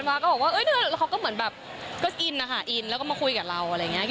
แม่ของก็แฮปปี้กับเรา